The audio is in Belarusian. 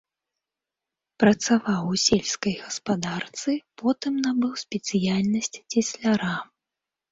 Працаваў у сельскай гаспадарцы, потым набыў спецыяльнасць цесляра.